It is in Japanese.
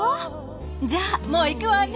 じゃあもう行くわね。